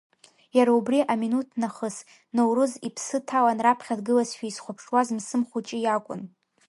Иара убри аминуҭ нахыс, Ноурыз иԥсы ҭалан раԥхьа дгылазшәа изхәаԥшуаз Мсым Хәыҷы иакәын.